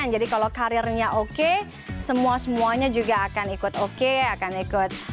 jadi kalau karirnya oke semua semuanya juga akan ikut oke akan ikut bahagia